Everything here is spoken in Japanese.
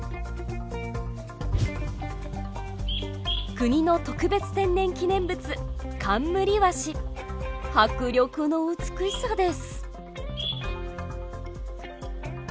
国の特別天然記念物迫力の美しさです。